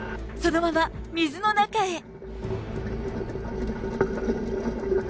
そのまま水の中へ。